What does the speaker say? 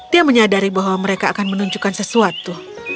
dia menyadari bahwa mereka akan menunjukkan sesuatu